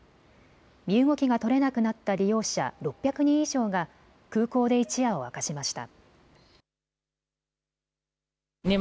身動きが取れなくなった利用者６００人以上が空港で一夜を明かしました。